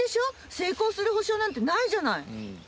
成功する保証なんてないじゃない。